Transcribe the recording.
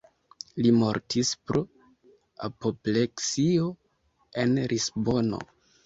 Li mortis pro apopleksio en Lisbono.